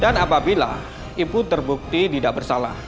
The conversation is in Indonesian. dan apabila ibu terbukti tidak bersalah